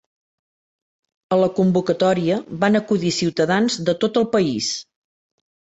A la convocatòria van acudir ciutadans de tot el país.